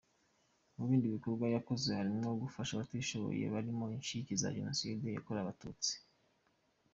Mu bindi bikorwa yakoze harimo gufasha abatishoboye barimo incike za Jenoside yakorewe Abatutsi.